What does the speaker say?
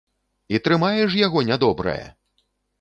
І трымае ж яго нядобрае!